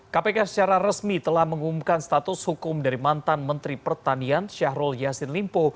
kpk secara resmi telah mengumumkan status hukum dari mantan menteri pertanian syahrul yassin limpo